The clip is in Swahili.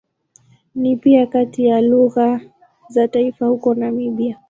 Ni pia kati ya lugha za taifa huko Namibia.